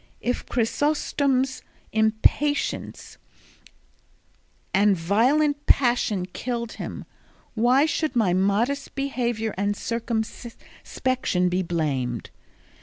If Chrysostom's impatience and violent passion killed him, why should my modest behaviour and circumspection be blamed?